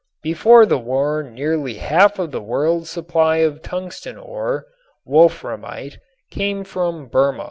Before the war nearly half of the world's supply of tungsten ore (wolframite) came from Burma.